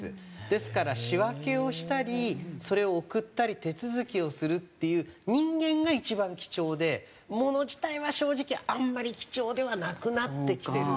ですから仕分けをしたりそれを送ったり手続きをするっていう人間が一番貴重で物自体は正直あんまり貴重ではなくなってきてる。